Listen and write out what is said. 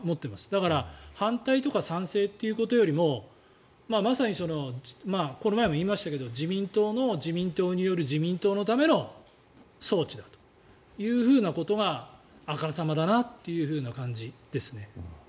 だから、反対とか賛成ということよりもまさにこの前も言いましたけど自民党の自民党による自民党のための装置だということがあからさまだなという感じですね。